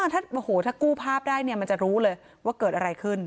ถ้ากู้ภาพได้มันจะรู้เลยว่าเกิดอะไรขึ้น